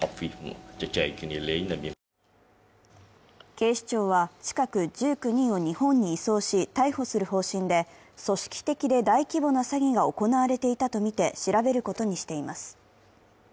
警視庁は近く１９人を日本に移送し、逮捕する方針で組織的で大規模な詐欺が行われていたとみて調べることにしています。